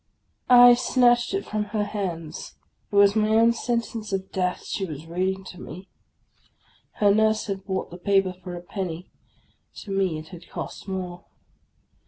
I snatched it from her hands. It was my own sentence of death she was reading to me! Her nurse had bought the paper for a penny. To me it had cost more.